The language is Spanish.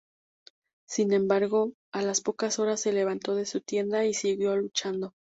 Sin embargo, a las pocas horas se levantó de su tienda y siguió luchando.